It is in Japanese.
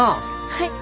はい。